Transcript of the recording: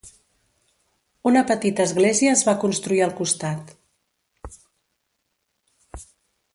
Una petita església es va construir al costat.